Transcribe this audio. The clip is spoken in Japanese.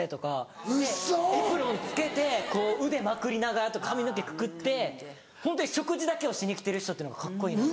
エプロン着けて腕まくりながらあと髪の毛くくってホントに食事だけをしに来てる人っていうのがカッコいいなって。